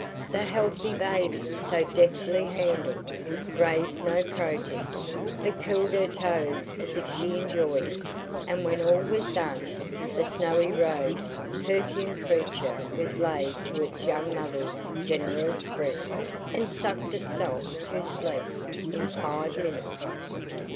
The healthy baby, so deftly handled, raised no protest, but curled her toes as if she enjoyed it; and when all was done, the snowy robed, perfumed creature was laid to its young mother's generous breast, and sucked itself to sleep in five minutes.